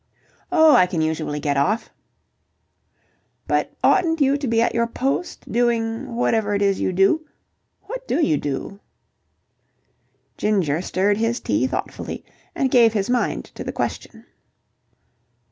"Oh, I can usually get off." "But oughtn't you to be at your post doing whatever it is you do? What do you do?" Ginger stirred his tea thoughtfully and gave his mind to the question.